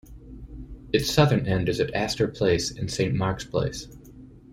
Its southern end is at Astor Place and Saint Mark's Place.